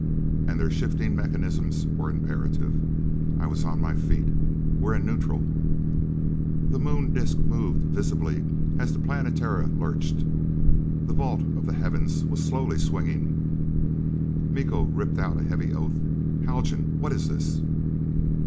And their shifting mechanisms were imperative! I was on my feet. "We're in neutral!" The Moon disc moved visibly as the Planetara lurched. The vault of the heavens was slowly swinging. Miko ripped out a heavy oath. "Haljan! What is this?"